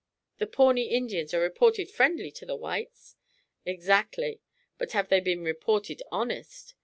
"The Pawnee Indians are reported friendly to the whites." "Exactly; but have they been reported honest?